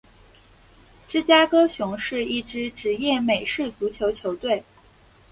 芝加哥熊是一支职业美式足球球队。